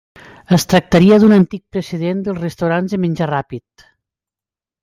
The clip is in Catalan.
Es tractaria d'un antic precedent dels restaurants de menjar ràpid.